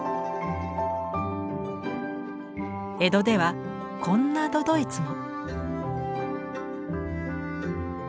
江戸ではこんな都々逸も。